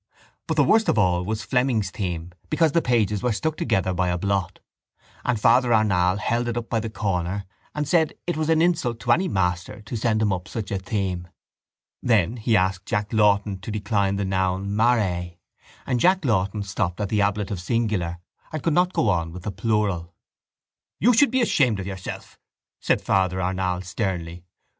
But the worst of all was Fleming's theme because the pages were stuck together by a blot: and Father Arnall held it up by a corner and said it was an insult to any master to send him up such a theme. Then he asked Jack Lawton to decline the noun mare and Jack Lawton stopped at the ablative singular and could not go on with the plural. —You should be ashamed of yourself, said Father Arnall sternly.